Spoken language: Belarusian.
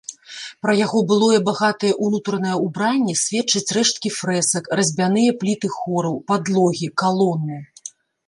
Пра яго былое багатае ўнутранае ўбранне сведчаць рэшткі фрэсак, разьбяныя пліты хораў, падлогі, калоны.